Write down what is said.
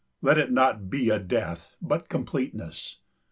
Let it not be a death but completeness.